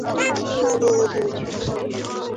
কমলা কহিল, ওই-যে দিদি, দেখো-না।